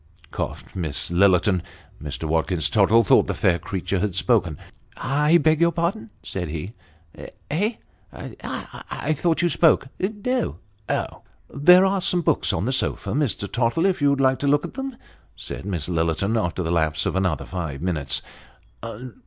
" Hem !" coughed Miss Lillerton ; Mr. Watkins Tottle thought fair creature had spoken. " I beg your pardon," said he. 'Eh?" ' I thought you spoke." 'No." Oh !"' There are some books on the sofa, Mr. Tottle, if you would like to Sketches by Boz. look at them," said Miss Lillerton, after the lapse of another five minutes.